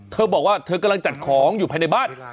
เธอบอกว่าเธอกำลังจัดของอยู่ภายในบ้าน